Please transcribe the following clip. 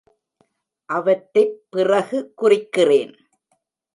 அவற்றைப் பிறகு குறிக்கிறேன்.